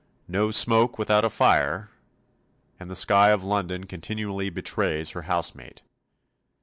'No smoke without a fire'; and the sky of London continually betrays her house mate.